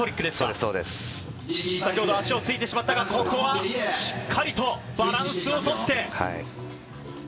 先ほど足を着いてしまったが、ここはしっかりとバランスをとって。